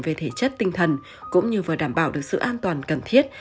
về thể chất tinh thần cũng như vừa đảm bảo được sự an toàn cần thiết